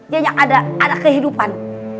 ya sudah ada kehidupan